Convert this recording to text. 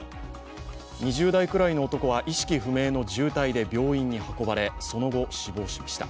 ２０代くらいの男は意識不明の重体で病院に運ばれその後、死亡しました。